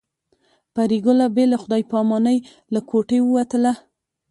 پري ګله بې له خدای په امانۍ له کوټې ووتله